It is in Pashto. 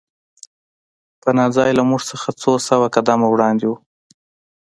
پناه ځای له موږ څخه څو سوه قدمه وړاندې و